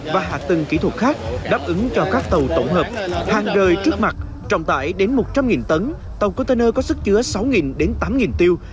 và hạ tầng kỹ thuật khác đáp ứng cho các tàu tổng hợp hàng rời trước mặt trọng tải đến một trăm linh tấn tàu container có sức chứa sáu đến tám tiêu